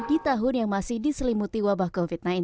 di tahun yang masih diselimuti wabah covid sembilan belas